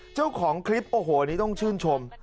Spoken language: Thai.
เจ้าของคลิปโอ้โหนี่ต้องชื่นชม